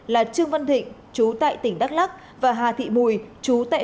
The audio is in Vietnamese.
là trương văn thịnh trú tại tỉnh đắk lắc và hà thị mùi